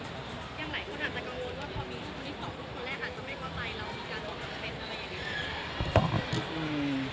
ถ้าไม่เข้าไปเรามีการตอบเต็นต์อะไรอย่างนี้